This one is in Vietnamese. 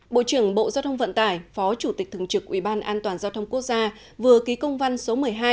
bộ trưởng bộ giao thông vận tải phó chủ tịch thường trực uban giao thông quốc gia vừa ký công văn số một mươi hai